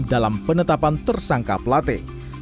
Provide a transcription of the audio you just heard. dalam penetapan tersangka pelate